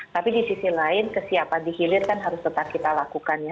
tapi di sisi lain kesiapan di hilir kan harus tetap kita lakukan ya